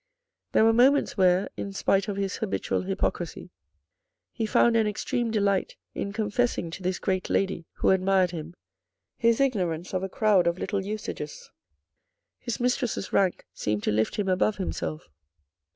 There were moments where, in spite of his habitual hypocrisy, he found an extreme delight in confessing to this great lady who admired him, his ignorance of a crowd of little usages. His mistress's rank seemed to lift him above himself.